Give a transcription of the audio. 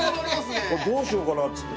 どうしようかなっつって。